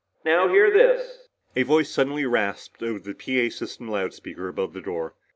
"Now hear this!!!" A voice suddenly rasped over the PA system loud speaker above the door.